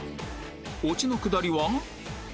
オチのくだりは